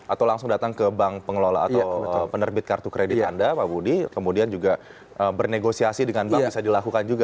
atau langsung datang ke bank pengelola atau penerbit kartu kredit anda pak budi kemudian juga bernegosiasi dengan bank bisa dilakukan juga